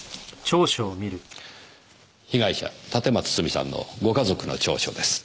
被害者立松スミさんのご家族の調書です。